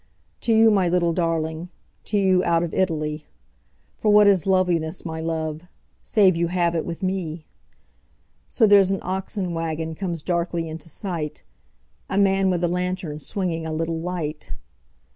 To you, my little darling, To you, out of Italy.For what is loveliness, my love, Save you have it with me! So, there's an oxen wagonComes darkly into sight:A man with a lantern, swingingA little light.